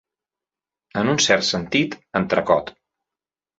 En un cert sentit, entrecot.